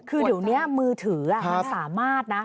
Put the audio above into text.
คือเดี๋ยวนี้มือถือมันสามารถนะ